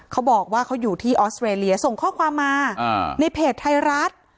เขาบอกว่าเขาอยู่ที่ออสเตรเลียส่งข้อความมาในเพจไทยรัฐ